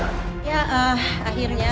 untuk mengambil alih kembali ke pekanbaru